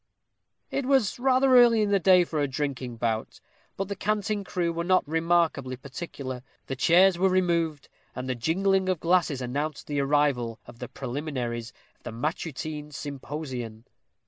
It was rather early in the day for a drinking bout. But the Canting Crew were not remarkably particular. The chairs were removed, and the jingling of glasses announced the arrival of the preliminaries of the matutine symposion.